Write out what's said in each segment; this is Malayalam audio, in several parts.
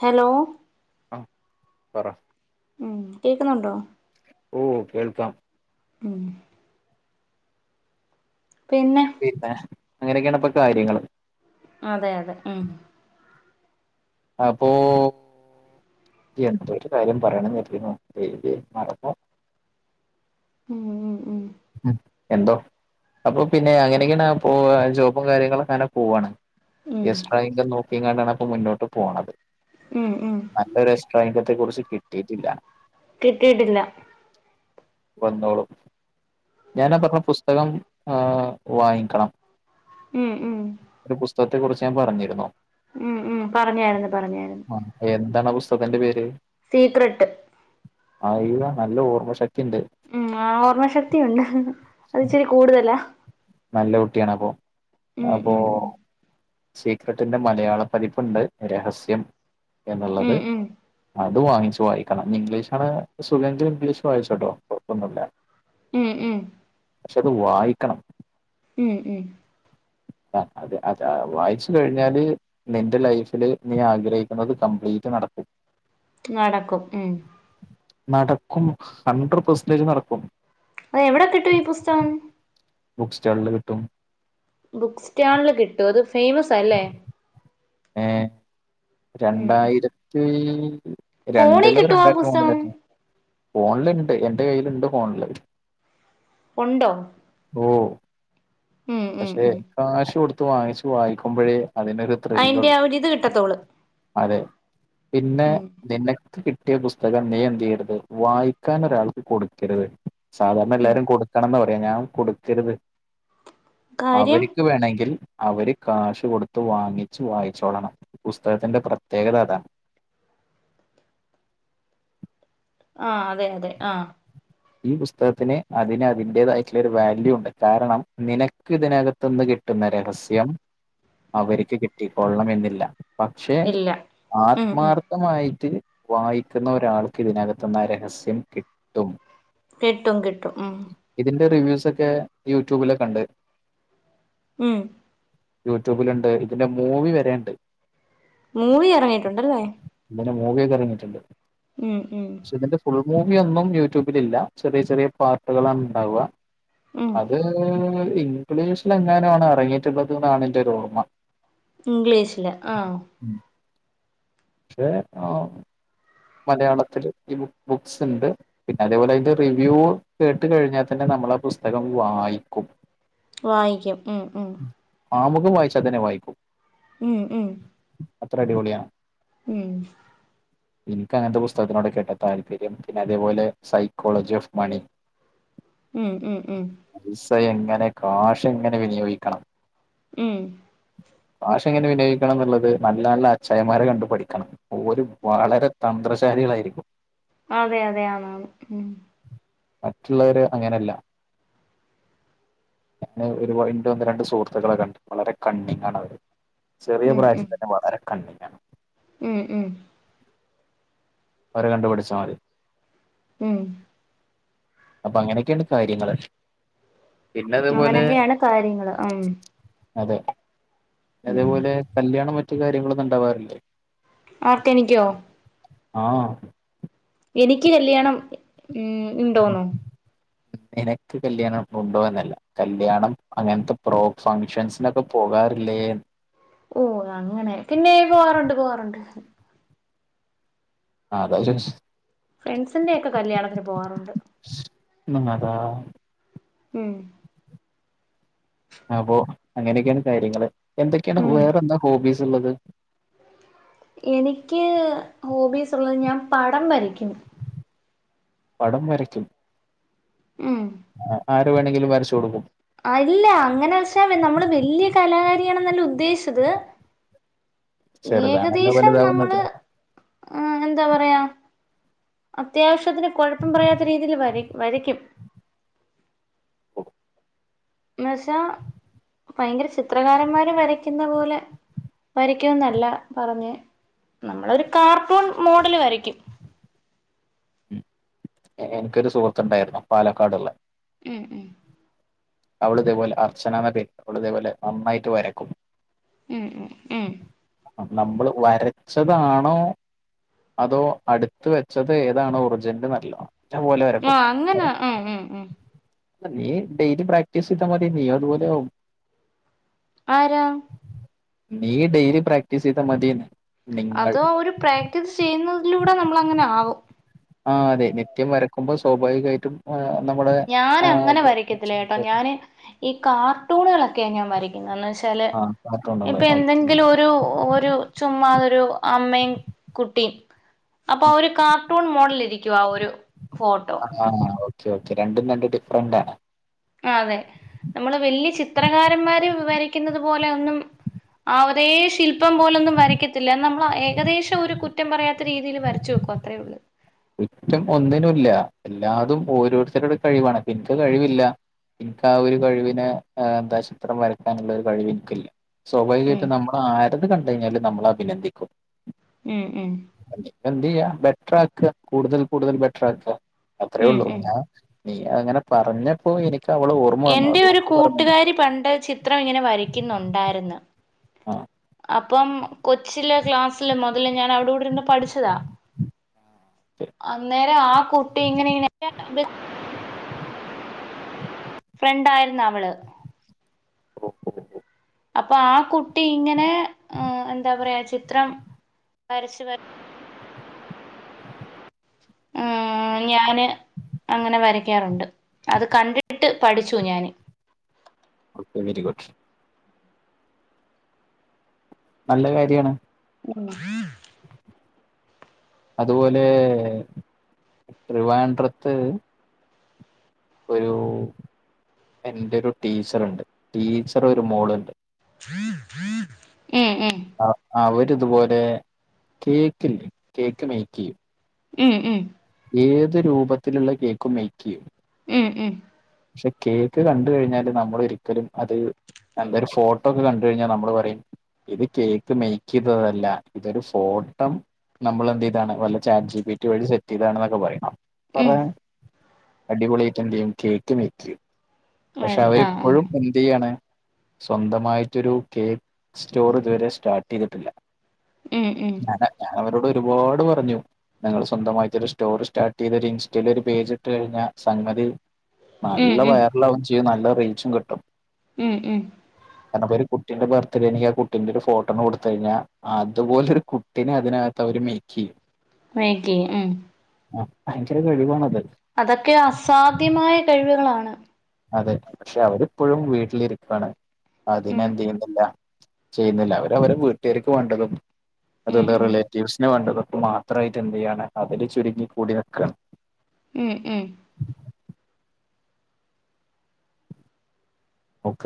ഹലോ ആഹ് പറ ഉമ് കേക്കുന്നുണ്ടോ ഓഹ് കേൾക്കാം ഉമ് പിന്നെ പിന്നെ അങ്ങനെക്കെണ് അപ്പ കാര്യങ്ങള് അതെ അതെ ഉമ് അപ്പോ എന്തൊരു കാര്യം പറയണം എന്ന് കരുതി ഇരുന്നതാ ദൈവേ മറന്നു ഉമ് ഉമ് എന്തോ അപ്പൊ പിന്നെ അങ്ങനെക്കെണ് ആഹ് പോ ജോബും കാര്യങ്ങളൊക്കെ അങ്ങനെ പോവാണ് ഉം യസ്ട്രായിങ്കം നോക്കിം കണ്ടാണ് അപ്പോ മുന്നോട്ട് പോണത് ഉമ് ഉമ് നല്ലൊരു എസ്ട്രോയിംഗത്തെ കുറിച്ച് കിട്ടിയിട്ടില്ല കിട്ടിയിട്ടില്ല വന്നോളും ഞാനാ പറഞ്ഞ പുസ്തകം ഏഹ് വാങ്ങിക്കണം ഉമ് ഉമ് ഒരു പുസ്തകത്തെ കുറിച്ച് ഞാൻ പറഞ്ഞിരുന്നു ഉമ് ഉമ് പറഞ്ഞായിരുന്നു പറഞ്ഞായിരുന്നു ആഹ് എന്താണ് പുസ്തത്തിന്റെ പേര് സീക്രട്ട് ഐവ നല്ല ഓർമ്മ ശക്തി ഇണ്ട് ഉമ് ഓർമ്മ ശക്തി യുണ്ട് അത് ഇച്ചിരി കൂടുതലാ നല്ല കുട്ടിയാണ് അപ്പൊ ഉം അപ്പൊ ഉം ഉം സീക്രട്ടിന്റെ മലയാള പതിപ്പുണ്ട് രഹസ്യം എന്നുള്ളത് ഉം അത് വാങ്ങിച്ച് വായിക്കണം ഇംഗ്ലീഷാണ് സുഖങ്കിലും ഇംഗ്ലീഷ് വായിച്ചോ കേട്ടോ കുഴപൊന്നുംല്ല ഉമ് ഉമ് പക്ഷെ അത് വായിക്കണം ഉം ഉം ആ അതെ അതാ വായിച്ച കഴിഞ്ഞാല് നിന്റെ ലൈഫില് നീ ആഗ്രഹിക്കുന്നത് കംപ്ലീറ്റ് നടക്കും നടക്കും ഉം നടക്കും ഹൺഡ്രഡ് പെർസെന്റേജ് നടക്കും അത് എവിടെ കിട്ടും ഈ പുസ്തകം ബുക്ക് സ്റ്റാളിൽ കിട്ടും ബുക്ക് സ്റ്റാളില് കിട്ടു അത് ഫേമസ് ആല്ലേ ഏഹ് ഉം രണ്ടായിരത്തീ ഫോണിൽ രണ്ടിലോ കിട്ടുവോ ആ രണ്ടായിരത്തി പുസ്തകം മൂന്നിലോ ഫോണിലുണ്ട് എന്റെ കയ്യില്ണ്ട് ഫോണില് ഒണ്ടോ ഓ ഉം പക്ഷെ ഉം കാശടു ത് വാങ്ങിച്ചു വായിക്കുമ്പോഴേ അതിനത് അയിന്റെ ആ ഒരു ഇത് കിട്ടത്തോള്ളു അതെ പിന്നെ നിന്നെ കിട്ടിയ പുസ്തകം നീ എന്ത് ചെയ്യരുത് വായിക്കാൻ ഒരാൾക്ക് കൊടുക്കരുത് സാധാരണ ഉം എല്ലാരും കൊടുക്കണംന്ന് പറയാ ഞാൻ കൊടുക്കരുത് കാര്യം അവര്ക്ക് വേണെങ്കിൽ അവര് കാശ് കൊടുത്ത് വാങ്ങിച്ചു വായിച്ചോളണം പുസ്തകത്തിന്റെ പ്രത്യേകത അതാ ആ അതെ അതെ ആഹ് ഈ പുസ്തകത്തിന് അതിന് അതിന്റേതായിട്ടുള്ള ഒരു വാല്യൂ ഉണ്ട് കാരണം നിനക്ക് ഇതിനക- ത്ത്ന്ന് കിട്ടുന്ന രഹസ്യം അവര്ക്ക് കിട്ടിക്കോള്ളണം എന്നില്ല പക്ഷെ ഇല്ല ഉം ഉം ആത്മാർ- ർഥമായിട്ട് വായിക്കുന്ന ഒരാൾക്ക് ഇതിനകത്തുന്നാ രഹസ്യം കിട്ടും കിട്ടും കിട്ടും ഉം ഇതിന്റെ റിവ്യൂസ് ഒക്കെ യൂട്യൂബില് കണ്ട് ഉം യൂട്യൂബിലുണ്ട് ഇതിന്റെ മൂവി വരെണ്ട് മൂവീ ഇറങ്ങിയിട്ടുണ്ടല്ലേ തിന്റെ മൂവിയൊക്കെ ഇറങ്ങിട്ടുണ്ട് ഉം ഉം ഇതിന്റെ ഫുൾ മൂവിയൊന്നും യൂട്യൂബിലില്ല ചെറിയ ചെറിയ പാർട്ടുകളാണ് ഉണ്ടാവ്വാ ഉം അത് ഇംഗ്ലീഷിലങ്ങാനവാണ് ഇറങ്ങിയിട്ടുള്ളത് എന്നാണ് എൻ്റെ ഓർമ്മ ഇംഗ്ലീഷില് ആഹ് ഏഹ് ആഹ് മലയാളത്തില് ഈ ബു ബുക്സ് ഇണ്ട് പിന്നെ അതേപോലെ അതിന്റെ റിവ്യൂ കേട്ട് കഴിഞ്ഞാ തന്നെ നമ്മൾ ആ പുസ്തകം വായിക്കും വായിക്കും ഉം ഉം ആമുഖം വായിച്ച തന്നെ വായിക്കും ഉം ഉം അത്ര അടിപൊളിയാ- ഉം ഇൻക് അങ്ങനത്തെ പുസ്തകത്തിനോടൊക്കെട്ടോ താല്പര്യം പിന്നെ അതേപോലെ സൈക്കോളജി ഓഫ് മണി ഉം ഉം ഉം പൈസ എങ്ങനെ കാഷ് എങ്ങനെ വിനിയോഗിക്കണം ഉം കാശ് എങ്ങനെ വിനിയോയിക്കണം ന്നുള്ളത് നല്ല നല്ല അച്ഛായന്മാരെ കണ്ടു പഠിക്കണം ഓര് വളരെ തന്ത്രശാലികളായിരിക്കും അതെയതെ ആണ് ആണ് ഉം മറ്റുള്ളവരെ അങ്ങനല്ല ഞാന് [unintelligible] ഇന്റെ ഒന്ന് രണ്ട് സുഹൃത്തുക്കളെ കണ്ട് വളരെ കണ്ണിങ്ങാണവര് ചെറിയ ഉം ഉം പ്രായത്തിത്തന്നെ വളരെ കണ്ണിങ്ങാണ് ഉം ഉം അവരെ കണ്ടു പടിച്ചാ മതി ഉം അപ്പ അങ്ങനെക്കേണ് കാര്യങ്ങള് പിന്നെ അതേപോലെ അങ്ങനൊക്കെയാണ് കാര്യങ്ങള് ഉം അതെ ഉം അതേപോലെ കല്യാണം മറ്റു കാര്യങ്ങളൊന്നും ണ്ടാവാറില്ലേ ആർക്ക് എനിക്ക്യോ ആഹ് എനിക്ക്യ് കല്യാണം ഉം ഇണ്ടോന്നോ നിനക്ക് കല്യാണം ഉണ്ടോ എന്നല്ല കല്യാണം അങ്ങത്തെ ബ്രോക്സ് ഫംഗ്ഷൻസിനൊക്കെ പോകാറില്ലേന്ന് ഓഹ് അങ്ങനെ പിന്നെ പോവാറുണ്ട് പോവാറുണ്ട് അതാ [unintelligible] ഫ്രണ്ട്സിന്റെ ഒക്കെ കല്യാണത്തിന് പോവാറുണ്ട് [unintelligible] ഉം അപ്പൊ അങ്ങനെക്കേണ് കാര്യങ്ങള് എന്തൊക്കേണ് ഹു ഉം വേറെന്താ ഹോബീസ്ള്ളത് എനിക്ക്യ് ഹോബീസ്ള്ളെ ഞാൻ പടം വരക്ക്യും പടം വരയ്ക്ക്യും ഉം ആഹ് ആരെ വേണെങ്കിലും വരച്ചൊടുക്കും അല്ല അങ്ങനെവച്ചാ മേ നമ്മള് വെല്ല്യ കലാകാരിയാണെന്നല്ല ഉദ്ദേശിച്ചത് ചെറുതാണല്ലോ ഏകദേശം വലുതാവുന്നത്. നമ്മള് ആഹ് എന്താ പറയാ അത്യാവശ്യത്തിന് കൊഴപ്പം പറയാത്ത രീതീല് വരയ് വരയ്ക്കും എന്നുവശാ ഭയങ്കര ചിത്രകാരന്മാര് വരക്ക്യുന്ന പോലെ വരയ്ക്കുന്നല്ല പറഞ്ഞെ നമ്മളൊരു കാർട്ടൂൺ മോഡല് വരയ്ക്കും ഉം എ എനിക്കൊരു സുഹൃത്തുണ്ടായിരുന്നു പാലക്കാടുള്ളെ ഉം ഉം അവള് ഇതേപോലെ അർച്ചനാന്ന പേര് അവള് ഇതേപോലെ നന്നായിട്ട് വരക്കും ഉം ഉം ഉം ആഹ് നമ്മള് വരച്ചതാണോ അതോ അട്ത്ത് വെച്ചത് ഏതാണോ ഒർജിന്ല് ന്നർല്ലാ [unintelligible] പോലെ വരക്കും ആഹ് അങ്ങനെ ഉം [unintelligible] ഉം ഉം അല്ല നീ ഡെയിലി പ്രാ ക്ടീസയ്താ മതി നീയും അതു പോലെയാവും ആരാ? നീ ഡെയിലി പ്രാക്റ്റീസെയ്താ മതീന്ന് അതോ ഒരു പ്രാക്ടീസ് ചെയ്യുന്നതിലൂടെ നമ്മള് അങ്ങനെ ആവും ആഹ് അതെ നിത്യം വരക്കുമ്പോൾ സ്വാഭാവികായിട്ടും ആഹ് നമ്മുടെ ആഹ് ഞാനങ്ങനെ അത് വരയ്ക്കത്തില്ല കേട്ടോ ഞാന് ഈ കാർട്ടൂണുകളൊക്കെ ഞാൻ വര പിന്നെന്നാശാല് ആഹ് കാർട്ടൂണുകള്. ഓക്കെ. ഇപ്പയെന്തെങ്കിലും ഒരു ഒരു ചുമ്മാതൊരു അമ്മയും കുട്ടിം അപ്പൊ ഒരു കാർട്ടൂൺ മോഡൽ ഇരി ക്ക്യുവാ ആ ഒരു ഫോട്ടോ ആഹ് ഓക്കേ ഓക്കെ രണ്ടും രണ്ട് ഡിഫ്റന്റാണ് ആഹ് അതെ നമ്മള് വെല്ല്യ ചിത്രകാരന്മാര് വരക്ക്യുന്നത് പോലെ ഒന്നും ആ ഒരേ ശില്പം പോലൊന്നും വരക്കത്തില്ല നമ്മളാ ഏകദേശം ഒരു കുറ്റം പറയാത്ത രീതിയില് വരച്ചോക്കും അത്രയുള്ള് കുറ്റം ഒന്നിനുംല്ല എല്ലാതും ഓരോരുത്തരുടെ കഴിവാണ് ഇപ്പന്ക്ക് കഴിവില്ല എനിക്ക് ആ ഒരു കഴിവിനെ എന്താ ചിത്രം വരയ്ക്കാനുള്ള ഒരു കഴിവ് ഇൻക്കില്ല സ്വാഭാവികായിട്ട് ഉം നമ്മൾ ആരത് കണ്ട് കഴിഞ്ഞാലും നമ്മൾ അഭിനന്ദിക്കും. ഉം ഉം. പിന്നെന്തെയ്യ ബെറ്റർ ആക്കാ കൂടുതൽ കൂടുതൽ ബെറ്റർ ആക്കാ അത്രേ ഉം ഉള്ളൂ. ഉം നീ അത്ങ്ങനെ പറഞ്ഞപ്പോ എനിക്ക് അവളെ ഓർ എൻ്റെ ഒരു കൂട്ടുകാരി പണ്ട് ചിത്രം ഇങ്ങനെ വരയ്ക്കുന്നുണ്ടായിരുന്നു. ആഹ് അപ്പം കൊച്ചിലെ ക്ലാസ്ലിലെ മുതല് ഞാൻ അവളെ കൂടെ ഇരുന്ന് പഠിച്ചതാ. അന്നേരം ആ കുട്ടി ഇങ്ങനെ ഇങ്ങനെ [unintelligible] ഫ്രണ്ടായിരുന്നവള്. [unintelligible] അപ്പൊ ആ കുട്ടി ഇങ്ങനെ ഏഹ് എന്താ പറയാ ചിത്രം വരച്ചു വര ആഹ് ഞാന് അങ്ങനെ വരയ്ക്കാറുണ്ട്. അത് കണ്ടിട്ട് പഠിച്ചു ഞാന്. Good very good. നല്ല കാര്യാണ്. ഉം അതുപോലെ ട്രിവാഡ്രത്ത് ഒരു എന്റെ ഒരു ടീച്ചർണ്ട് ടീച്ചറെ ഒരു മോളുണ്ട്. ഉം ഉം. ആഹ് അവര് ഇതുപോലെ കേക്കില്ലേ കേക്ക് മേയ്ക്ക് ചെയ്യും. ഉം ഉം ഏത് രൂപത്തിലുള്ള കേക്കും മേയ്ക്കെയ്യും. ഉം ഉം. പക്ഷെ കേക്ക് കണ്ട് കഴിഞ്ഞാല് നമ്മൾ ഒരിക്കലും അത് നല്ല ഒരു ഫോട്ടോ ഒക്കെ കണ്ട് കഴിഞ്ഞാ നമ്മള് പറിം ഇത് കേക്ക് മെയ്ക്ക് ചെയ്തതല്ല ഇതൊരു ഫോട്ടം നമ്മൾ എന്ത് ചെയ്താണ് വല്ല ചാറ്റ് ജി പി ട്ടി വഴി സെറ്റ് ചെയ്താണ് ന്നൊക്കെ പറയും. ഉം പറയാൻ അടിപൊളിയായ്റ്റെന്തെയ്യും കേക്ക് മേയ്ക്കെയ്യും. പക്ഷെ വരയ് ആഹ് ആഹ് അവരിപ്പഴും എന്ത് ചെയ്യാണ് സ്വന്തമായിട്ടൊരു കേക്ക് സ്റ്റോർ ഇതുവരെ സ്റ്റാർട്ട് ചെയ്തിട്ടില്ല. ഉം ഉം ഞാന ഞാൻ അവരോട് ഒരുപാട് പറഞ്ഞു. നിങ്ങൾ സ്വന്തമായിട്ട് ഒര് സ്റ്റോർ സ്റ്റാർട്ട് ചെയ്ത് ഒരു ഇൻസ്റ്റയിൽ ഒരു പേജ് ഇട്ട് കഴിഞ്ഞാൽ സംഗതി ഉം നല്ല ഉം വയറലാവും ചെയ്യും നല്ല റീച്ചും കിട്ടും. ഉം ഉം കാരണം പ്പൊരു കുട്ടിന്റെ ബർത്ത്ഡേ ആണെങ്കി ആ കുട്ടിന്റെ ഒരു ഫോട്ടോന്ന് കൊടുത്ത് കഴിഞ്ഞാ അതുപോൽത്തൊരു കു ട്ടിനെ അതിനകത്ത് അവര് മേയ്ക്കെയ്യും. മേയ്ക്കെയ്യും. ഉം അഹ് ഭയങ്കര കഴിവാണത്. അതൊക്കെ അസാധ്യമായ കഴിവുകളാണ്. അതെ പക്ഷെ അവരിപ്പഴും വീട്ടിലിരിപ്പാണ്. ഉം അതിനെ എന്ത് ചെയ്യുന്നില്ല ചെയ്യുന്നില്ല. അവര് അവരെ വീട്ടുകാര്ക്ക് വാണ്ടതും അതു ഉം പോലെ ഉം റിലേ റ്റിവ്സ്ന് വേണ്ടവർക്കും മാത്രായിട്ട് എന്തെയ്യാണ് അവര് ചുരുങ്ങി കൂടി നിക്കാണ്. ഉം ഉം നോക്ക.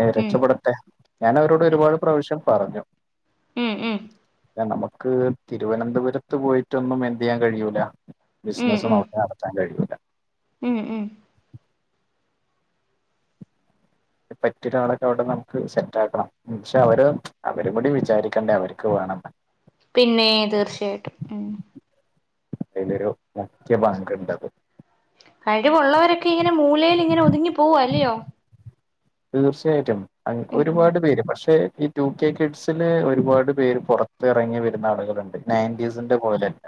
ഏഹ് ഉം രക്ഷപ്പെടട്ടെ. ഞാൻ അവരോട് ഉം ഒരുപാട് പ്രാവശ്യം പറഞ്ഞു ഉം ഉം നമുക്ക് തിരുവനന്തപുരത്ത് പോയിട്ട് ഒന്നും എന്ത് ചെയ്യാൻ കഴിയൂല ബിസിനസ്സ് ഉം നോക്കി നടത്താൻ കഴിയൂല ഉം ഉം പറ്റിയ ഒരു ആളൊക്കെ അവിടെ നമുക്ക് സെറ്റ് ആക്കണം. [unintelligible] അവര് അവരും കൂടി വിചാരിക്കണ്ടേ അവർക്ക് വേണമെന്ന് പിന്നെ തീർച്ചയായിട്ടും ഉം അയിലെരു മുഖ്യ പങ്ക് ഉണ്ടാകും കഴിവുള്ളവരൊക്കെ ഇങ്ങനെ മൂലയിൽ ഇങ്ങനെ ഒതുങ്ങി പോവ അല്ലയോ. തീർച്ചയായിട്ടും ഉം ഒരുപാട് പേര് പക്ഷെ ടു കെ കിഡ്സില് ഒരുപാട് പേര് പുറത്ത് ഇറങ്ങി വരുന്ന ആളുകളുണ്ട് നയൻറ്റീസിൻന്റെ പോലെ അല്ല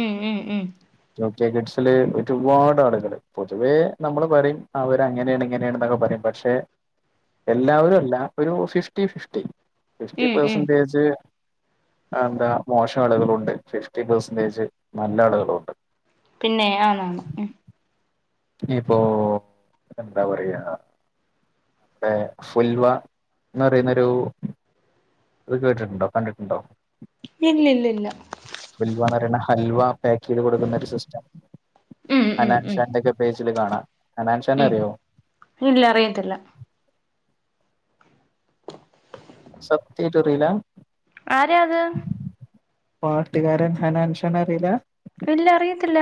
ഉം ഉം ഉം ടു കെ കിഡ്സിലെ ഒരുപാട് ആളുകള് പൊതുവേ നമ്മള് പറയും അവര് അങ്ങനെയാണ് ഇങ്ങനെയാണ് [unintelligible] പറയും പക്ഷെ എല്ലാവരും അല്ല ഒരു ഫിഫ്റ്റി ഫിഫ്റ്റി. ഫിഫ്റ്റി ഉം ഉം പെർസെന്റേജ് അഹന്താ മോശം ആളുകളുണ്ട് ഫിഫ്റ്റി പെർസെന്റേജ് നല്ല ആളുകളുണ്ട്. പിന്നെ ആണാണ് ഇപ്പോ എന്താ പറയാ ഇടെ ഫുൽവ എന്ന് പറയുന്നൊരു അത് കേട്ടിട്ടുണ്ടോ കണ്ടിട്ടുണ്ടോ? ഇല്ല ഇല്ല ഇല്ല ഫുൽവ എന്ന് പറയുന്ന ഹൽവ പാക്ക് ചെയ്ത് കൊടുക്കുന്ന ഒരു സിസ്റ്റം ഉം ഉം ഹനാൻ ഉം ഷാന്റെ ക്കെ പേജില് കാണാം ഹനാൻഷാന് ഉം അറിയോ? ഇല്ല അറിയത്തില്ല സത്യയിട്ടും അറിയില്ല ആരാ അത്? പാട്ടുകാരന്‍ ഹനാൻഷാന അറിയില്ല ഇല്ല അറിയത്തില്ല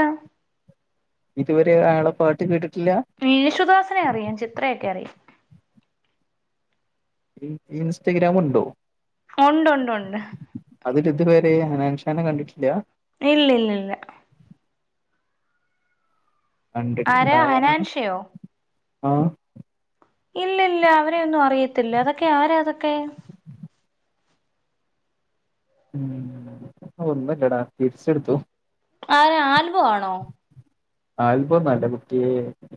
ഇതുവരെ അയാളെ പാട്ട് കേട്ടിട്ടില്ലേ? യേശുദാസിനെ അറിയാം ചിത്രയൊക്കെ അറിയാം ഇൻസ്റ്റഗ്രാം ഉണ്ടോ? ഒ ഉണ്ട് ഉണ്ട് ഉണ്ട് അതില്‍ ഇതുവരെ ഹനാൻഷാന കണ്ടിട്ടില്ല ഇല്ല ഇല്ല ഇല്ല കണ്ടിട്ട് ആരാ ഉണ്ടാവണ ഹനാൻഷയോ ആ ഇല്ല ഇല്ല അവരെയൊന്നും അറിയത്തില്ല അതൊക്കെ ആരാ അതൊക്കെ ഉം ഒന്നുമില്ലടാ തിരിച്ചെടുത്തു. ആ ആൽബോ ആണോ? ആൽബം ഒന്നും അല്ല കുട്ട്യ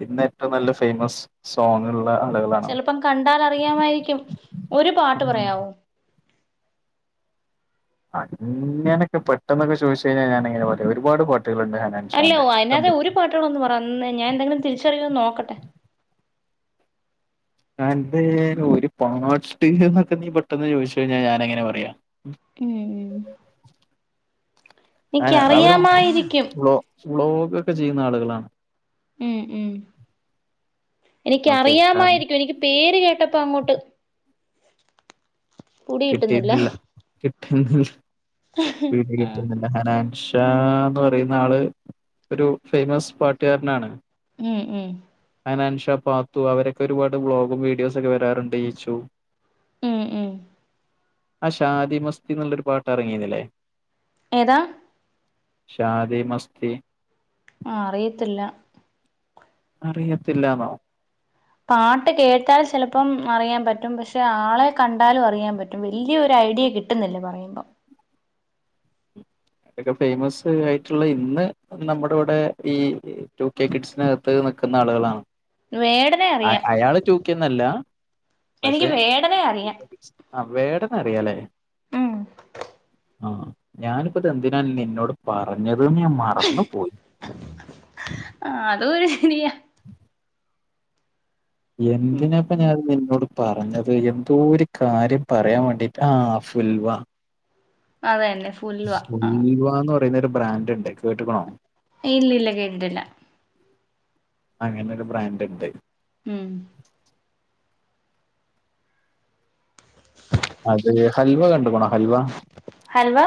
ഇന്ന് ഏറ്റവും നല്ല ഫേമസ് സോങ് ഉള്ള ആളുകളാണ് ചെലപ്പം കണ്ടാൽഅറിയാവായിരിക്കും ഒരുപാട്ട് ഉം. പറയാവോ? അങ്ങനക്കെ പെട്ടെന്നൊക്കെചോദിച്ചയ് ഞ്ഞാൽ ഞാനങ്ങനെപറയ ഒര്പാട് പാട്ടുകളുണ്ട് ഹനാൻ അല്ല ഓഅയിനക ഒരുപാട്ട്കളെന്ന്പറ അന്ന്ഞാൻ എന്തെങ്കിലും തിരിച്ചറിയോന്ന് നോക്കട്ടെ അത് ഒര്പാട്ട് ന്നെക്കെ നീ പെട്ടെന്ന് ചോദിച്ചയ്ഞ്ഞാൽ ഞാന്എങ്ങനെ പറയാ മ് അയെനെ അവര് എനിക്കറിയാമായിരിക്കും വ്ലോ വ്ലോഗൊക്കെ ചെയ്യുന്നആളുകളാണ്. ഉം, ഉം ഓക്കെ കാരണം എനിക്കറിയാമായിരിക്കും എനിക്ക് പേര്കേട്ടപ്പോ അങ്ങോട്ട് പുടി കിട്ടുന്നില്ല കിട്ടീട്ടില്ല കിട്ടുന്നില്ല ആഹ് പിടികിട്ടുന്നില്ല ഹനാൻഷ് ഷാന്ന് പറയുന്നആള് ഒരു ഫേയ്മസ് പാട്ടുകാരനാണ്. ഉം, ഉം ഹനാൻഷാ, പാത്തു, അവരൊക്കെ ഒരുപാട്വ്ലോഗും വീഡിയോസൊക്കെ വെരാറ്ണ്ട് ഈച്ചു. ഉം, ഉം ആ ഷാദിമസ്തിന്നുള്ളൊരു പാട്ട് എറങ്ങീന്നില്ലേ? ഏതാ? ശാദിമസ്തി ആഹ് അറിയത്തില്ല. അറിയത്തില്ലാന്നോ? പാട്ട്കേട്ടാൽ ചെൽപ്പം അറിയാൻപറ്റും പക്ഷെ ആളെകണ്ടാലും അറിയാൻ പറ്റും വെല്യൊരുഐഡിയ കി ട്ട്ന്നില്ല പറയുമ്പോൾ ത്ഒക്കെ ഫേമസ്ആയിട്ടുള്ള ഇന്ന് അത് നമ്മുടെകൂടെ ഈ ടു കെ കിഡ്സിനകത്ത് നിൽക്കുന്ന ആളുകളാണ്. വേടനെ അറിയാം അയാള് ടു കെ എനിക്ക് ഒന്നുല്ലപക്ഷെ വേടനെ അറിയാം ആ വേടനെഅറിയാലെ? ഉം ആഹ് ഞാനിപ്പോതെന്തിനാ നിന്നോട് പറഞ്ഞത്ഞാൻ മറന്ന്പോയി. ആഹ് അതൊരുഹിനിയാ ഉം എന്തിനപ്പോഞാനിത് നിന്നോട് പറഞ്ഞത് എന്തോര്കാര്യം പറയാൻ വാണ്ടിട്ടാആ ഫുൽവ അതെന്നെ ഉൽവാന്ന് പറയുന്നഒര് ബ്രാന്റ്ണ്ട് കേട്ട്ക്ക്ണോ? ഇല്ലല്ല്യാ കേട്ടിട്ടില്ല അങ്ങനൊരു ബ്രാന്റ്ണ്ട് ഉം അത് ഹൽവകണ്ട്ക്ക്ണോ ഹൽവ ഹൽവ